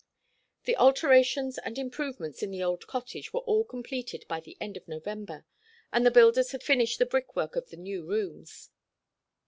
The alterations and improvements in the old cottage were all completed by the end of November, and the builders had finished the brickwork of the new rooms.